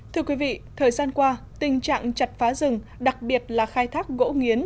thưa quý vị thời gian qua tình trạng chặt phá rừng đặc biệt là khai thác gỗ nghiến